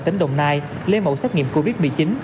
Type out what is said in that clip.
tỉnh đồng nai lấy mẫu xét nghiệm covid một mươi chín